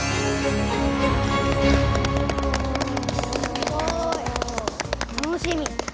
すごい！楽しみ。